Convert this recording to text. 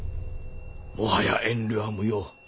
もはや遠慮は無用。